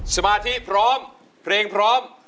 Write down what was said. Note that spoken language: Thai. สมาธิพร้อมเพลงพร้อม